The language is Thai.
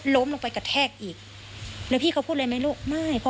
ได้เวลาที่แบบนี้